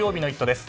です。